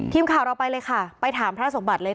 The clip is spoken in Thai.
ทีมข่าวเราไปเลยค่ะไปถามพระสมบัติเลย